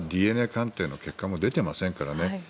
ＤＮＡ鑑定の結果も出ていませんからね。